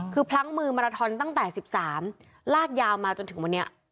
คือพลั้งมือมาราทอนตั้งแต่๑๓ลากยาวมาจนถึงวันนี้